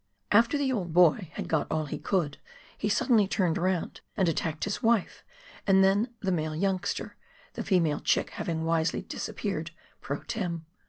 After the old boy had got all he could he suddenly turned round and attacked his wife and then the male youngster — the female chick having wisely disappeared, jjro tern.